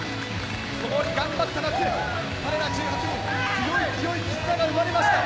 共に頑張った夏、１８人、強い強い絆が生まれました。